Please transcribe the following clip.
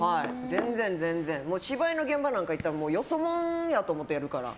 芝居の現場なんか行ったらよそもんやと思ってるから。